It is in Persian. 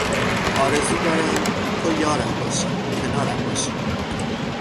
آرزو دارم ، تو یارم باشی ، کنارم باشی